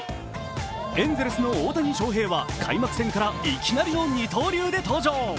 エンゼルスの大谷翔平は開幕戦からいきなりの二刀流で登場。